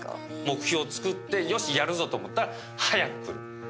目標つくってよしっやるぞ！と思ったら早く来る。